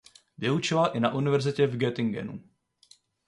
Vyučoval i na univerzitě v Göttingenu.